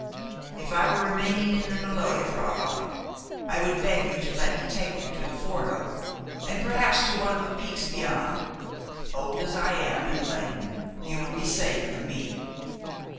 If I were remaining in the Maloja, fräulein, I would beg you to let me take you to the Forno, and perhaps to one of the peaks beyond. Old as I am, and lame, you would be safe with me."